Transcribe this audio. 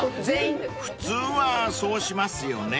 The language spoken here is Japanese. ［普通はそうしますよね］